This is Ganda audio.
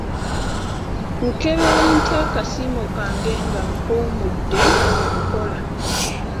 Nkebera ntya akasiimo kange nga mpummudde okukola?